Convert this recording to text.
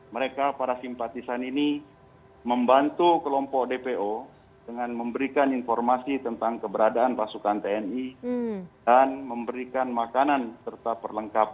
mereka para simpatisan ini membantu kelompok dpo dengan memberikan informasi tentang keberadaan pasukan tni dan memberikan makanan serta perlengkapan